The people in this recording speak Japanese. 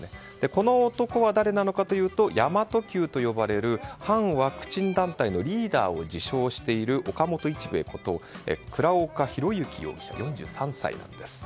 この男は誰なのかというと神真都Ｑと呼ばれる反ワクチン団体のリーダーを自称している岡本一兵衛こと倉岡宏行容疑者、４３歳なんです。